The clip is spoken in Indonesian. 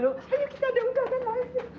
ayo kita ada undangan lainnya